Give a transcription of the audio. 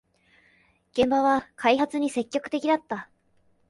現場は開発に積極的だった